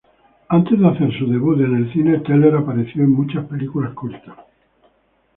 Antes de hacer su debut en el cine Teller apareció en muchas películas cortas.